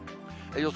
予想